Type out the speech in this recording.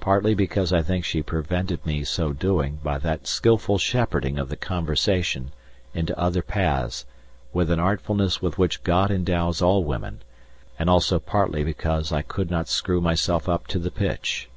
Partly because I think she prevented me so doing by that skilful shepherding of the conversation into other paths with an artfulness with which God endows all women, and also partly because I could not screw myself up to the pitch.